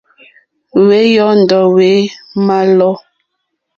Wé yɔ́ndɔ̀ wé mà lɔ̌.